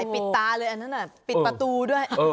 ปิดตาเลยอันนั้นปิดประตูด้วย